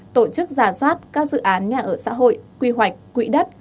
tổ chức giả soát các dự án nhà ở xã hội quy hoạch quỹ đất